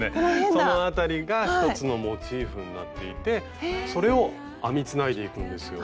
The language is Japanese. その辺りが１つのモチーフになっていてそれを編みつないでいくんですよ。